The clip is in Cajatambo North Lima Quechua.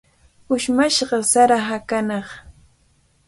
Ushmashqa sara hakanaq.